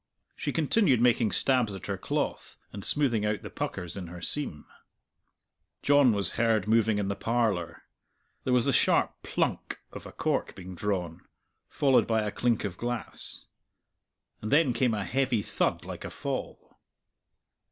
She continued making stabs at her cloth and smoothing out the puckers in her seam. John was heard moving in the parlour. There was the sharp plunk of a cork being drawn, followed by a clink of glass. And then came a heavy thud like a fall.